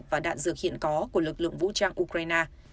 và đạn dược hiện có của lực lượng vũ trang ukraine